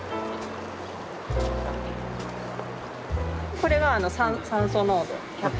これが酸素濃度１００。